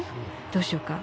どうしようか？